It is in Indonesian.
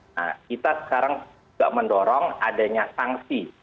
nah kita sekarang juga mendorong adanya sanksi